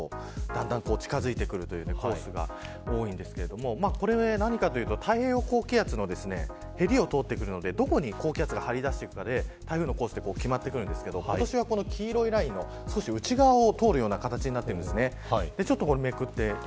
だんだん近づいてくるというコースが多いんですがこれ、何かというと太平洋高気圧のへりを通ってくるのでどこに高気圧が張り出してくるかで台風の進路が決まってきますが、今年は黄色いラインの内側を通るような形になっています。